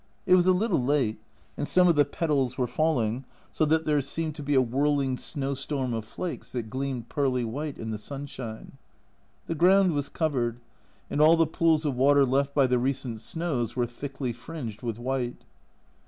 It was a little late, and some of the petals were falling, so that there seemed 140 A Journal from Japan to be a whirling snowstorm of flakes that gleamed pearly white in the sunshine. The ground was covered, and all the pools of water left by the recent snows were thickly fringed with white.